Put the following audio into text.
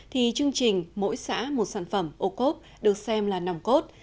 thì chương trình mỗi xã một sản phẩm ô cốp được xem là nòng cốt